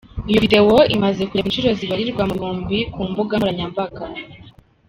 Iyo videwo imaze kurebwa inshuro zibarirwa mu bihumbi ku mbuga nkoranyambaga.